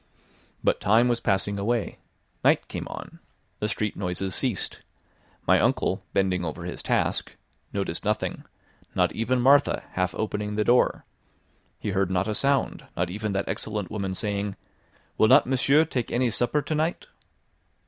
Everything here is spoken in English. But time was passing away; night came on; the street noises ceased; my uncle, bending over his task, noticed nothing, not even Martha half opening the door; he heard not a sound, not even that excellent woman saying: "Will not monsieur take any supper to night?"